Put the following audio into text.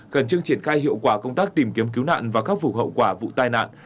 khẩn trương triển khai hiệu quả công tác tìm kiếm cứu nạn và khắc phục hậu quả vụ tai nạn